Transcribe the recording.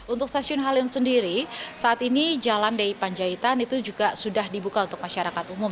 untuk stasiun halim sendiri saat ini jalan di panjaitan itu juga sudah dibuka untuk masyarakat umum